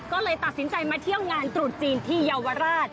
ก็เลยตัดสินใจมาเที่ยวงานตรุษจีนที่เยาวราช